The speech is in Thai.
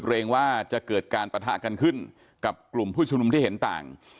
เกรงว่าจะเกิดการปะทะกันขึ้นกับกลุ่มผู้ชุมนุมที่เห็นต่าง